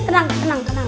tenang tenang tenang